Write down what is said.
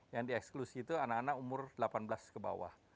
yang dieksklusi itu anak anak umur delapan belas ke bawah